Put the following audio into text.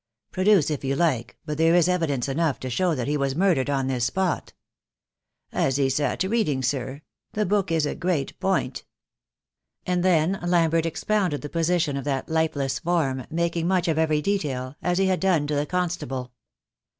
"Produce it if you like; but there is evidence enough to show that he was murdered on this spot." "As he sat reading, sir; the book is a great point." And then Lambert expounded the position of that lifeless form, making much of every detail, as he had done to the constable.